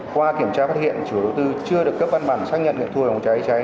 qua kiểm tra phát hiện chủ đầu tư chưa được cấp văn bản xác nhận nghiệm thu hồi phòng cháy cháy